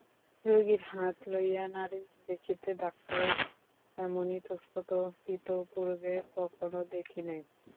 রোগীর হাত লইয়া নাড়ী দেখিতে ডাক্তারের এমন ইতস্তত ইতপূর্বে কখনো দেখি নাই।